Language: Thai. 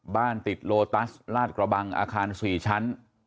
บ้านติดโลตัสลาดกระบังอาคาร๔ชั้น